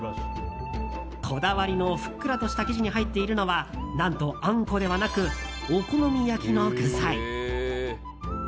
こだわりのふっくらとした生地に入っているのは何と、あんこではなくお好み焼きの具材。